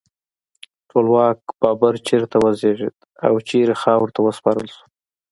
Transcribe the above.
ټولواک بابر چیرته وزیږید او چیرته خاورو ته وسپارل شو؟